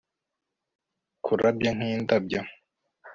Kurabya nkindabyo